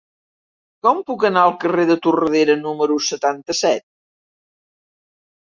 Com puc anar al carrer de Tordera número setanta-set?